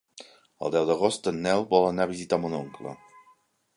El deu d'agost en Nel vol anar a visitar mon oncle.